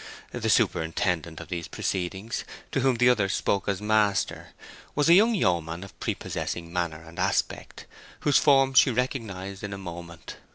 The superintendent of these proceedings, to whom the others spoke as master, was a young yeoman of prepossessing manner and aspect, whose form she recognized in a moment.